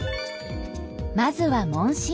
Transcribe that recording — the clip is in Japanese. まずは問診。